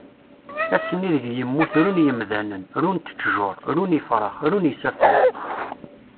Ass-nni deg yemmut run yemdanen, runt tjuṛ, run ifrax, run isaffen.